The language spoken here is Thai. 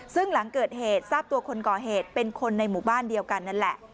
ซึ่งหลังเกิดเหตุทราบตัวคนก่อเหตุเป็นคนในหมู่บ้านเดียวกันนั่นแหละ